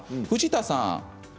藤田さん